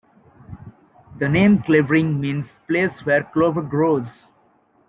The name 'Clavering' means 'place where clover grows'.